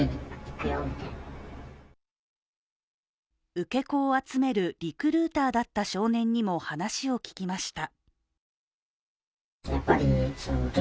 受け子を集めるリクルーターだった少年にも話を聞きました。